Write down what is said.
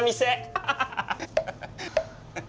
ハハハハ。